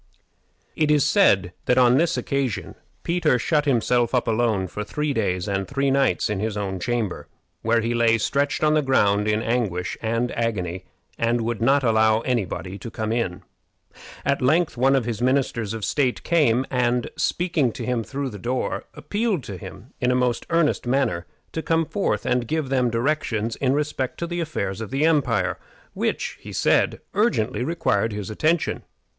It is said that on this occasion Peter shut himself up alone for three days and three nights in his own chamber, where he lay stretched on the ground in anguish and agony, and would not allow any body to come in. At length one of his ministers of state came, and, speaking to him through the door, appealed to him, in the most earnest manner, to come forth and give them directions in respect to the affairs of the empire, which, he said, urgently required his attention.